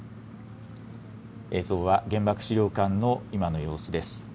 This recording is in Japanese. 映像は原爆資料館の今の様子です。